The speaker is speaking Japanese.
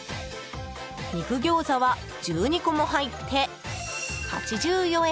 肉餃子は１２個も入って８４円！